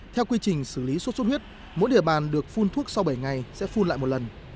theo quy trình xử lý sốt xuất huyết mỗi địa bàn được phun thuốc sau bảy ngày sẽ phun lại một lần